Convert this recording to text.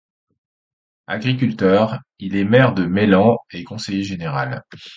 Agriculteur, il est maire de Meilhan et conseiller général.